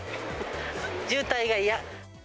渋滞が嫌。